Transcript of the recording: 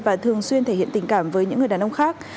và thường xuyên thể hiện tình cảm với những người đàn ông khác